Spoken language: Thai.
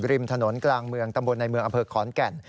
ริมถนนกลางเมืองตำบลในเมืองอำเภอขอนแก่น